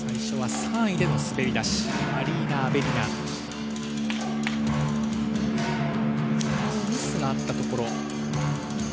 昨日、ミスがあったところ。